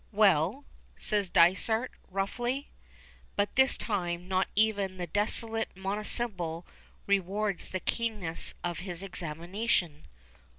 "Well?" says Dysart, roughly. But this time not even the desolate monosyllable rewards the keenness of his examination.